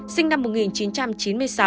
sinh năm một nghìn chín trăm chín mươi sáu